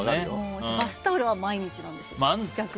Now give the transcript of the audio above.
うちバスタオルは毎日なんです、逆に。